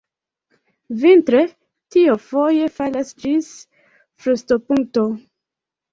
Vintre tio foje falas ĝis frostopunkto.